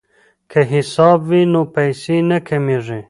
که حساب وي نو پیسې نه کمیږي.